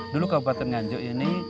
dulu kabupaten nganjuk ini